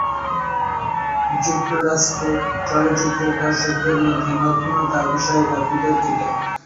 যুক্তরাষ্ট্রে চলচ্চিত্র-দর্শকদের মধ্যে নগ্নতা বিষয়টা বিতর্কিত।